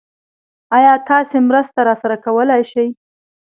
ايا تاسې مرسته راسره کولی شئ؟